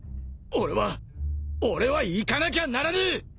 俺は俺は行かなきゃならねえ！